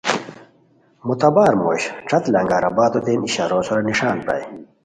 معتبر موش ݯت لنگرآبادو تین اشارو سورا نسان پرائے